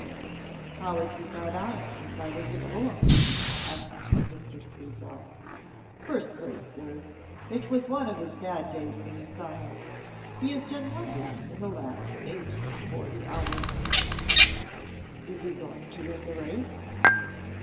"How has he got on since I was at Fulham?" asked Mr. Speedwell. "First rate, Sir! It was one of his bad days when you saw him. He has done wonders in the last eight and forty hours." "Is he going to win the race?"